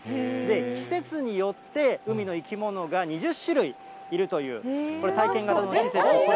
季節によって、海の生き物が２０種類いるという、これ、体験型の施設。